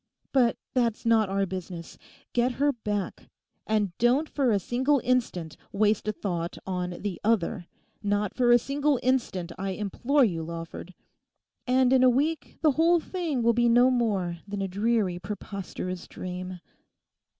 But that's not our business. Get her back. And don't for a single instant waste a thought on the other; not for a single instant, I implore you, Lawford. And in a week the whole thing will be no more than a dreary, preposterous dream....